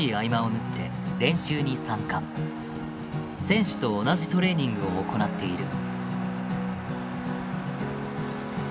選手と同じトレーニングを行っている。